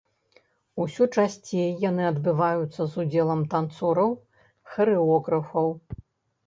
Усё часцей яны адбываюцца з удзелам танцораў, харэографаў.